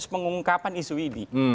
proses pengungkapan isu ini